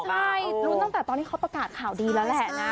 ใช่ลุ้นตั้งแต่ตอนที่เขาประกาศข่าวดีแล้วแหละนะ